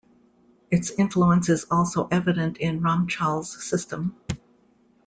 Its influence is also evident in Ramchal's system.